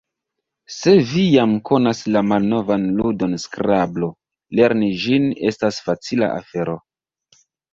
Se vi jam konas la malnovan ludon Skrablo, lerni ĝin estas facila afero.